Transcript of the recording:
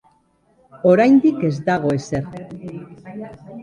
Oraindik ez dago ezer.